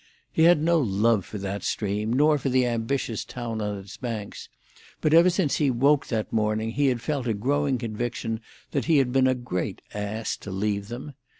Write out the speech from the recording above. He had no love for that stream, nor for the ambitious town on its banks, but ever since he woke that morning he had felt a growing conviction that he had been a great ass to leave them.